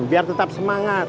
biar tetap semangat